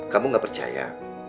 kamu gak percaya